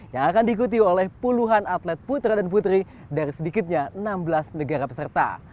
yang akan diikuti oleh puluhan atlet putra dan putri dari sedikitnya enam belas negara peserta